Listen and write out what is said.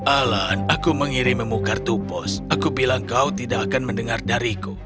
alan aku mengirim memukar tupos aku bilang kau tidak akan mendengar dariku